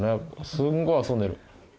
すんごい遊んでる。